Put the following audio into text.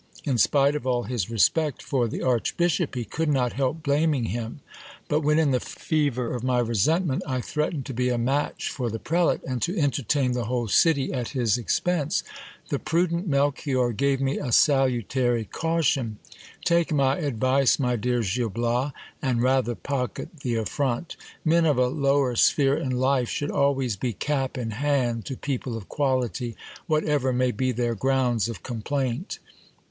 In spite of all his respect for the archbishop, he could not help blaming him ; but, when in the fever of my resentment I threatened to be a match for the prelate, and to entertain the whole city at his expense, the prudent Melchior gave me a salutary caution : Take my advice, my dear Gil Bias, and rather pocket the affront. Men of a lower sphere in life should always be cap in hand to people of quality, whatever may be their grounds of complaint.